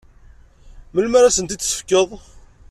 Melmi ara asen-t-id-tefkeḍ?